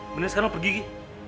beneran sekarang lo pergi ghi